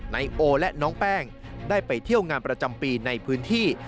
นายโอและน้องแป้งได้ไปเที่ยวงานประจำปีในพื้นที่